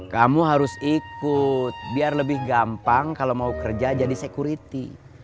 kamu harus ikut biar lebih gampang kalau mau kerja jadi security